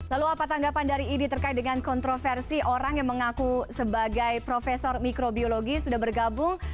lalu apa tanggapan dari idi terkait dengan kontroversi orang yang mengaku sebagai profesor mikrobiologi sudah bergabung